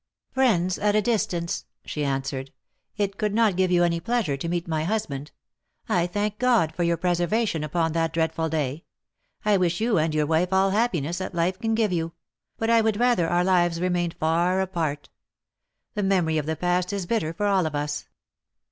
" Friends at a distance," she answered. " It could not give you any pleasure to meet my husband. I thank God for your preservation upon that dreadful day. I wish you and you wife all happiness that life can give you ; but I would rathe our lives remained far apart. The memory of the past is bittei for all of us.